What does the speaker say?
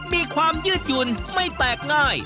มีความยืดหยุ่นไม่แตกง่าย